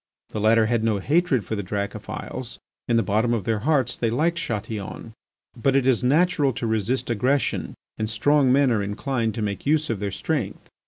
The latter had no hatred for the Dracophils. In the bottom of their hearts they liked Chatillon. But it is natural to resist aggression and strong men are inclined to make use of their strength.